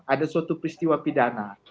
ada suatu peristiwa pidana